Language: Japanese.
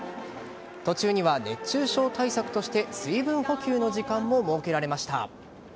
途中には、熱中症対策として水分補給の時間も設けられました。